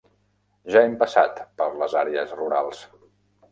Ja hem passat per les àrees rurals.